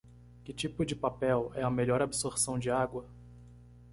Que tipo de papel é a melhor absorção de água?